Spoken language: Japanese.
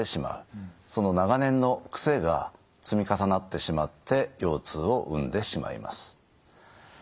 長年の癖が積み重なってしまって腰痛を生んでしまいます。